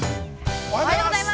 ◆おはようございます。